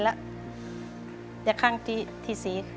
และข้างที่สี่